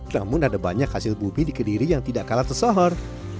namun ada banyak hasil bumi di kediri yang tidak kalah tersohor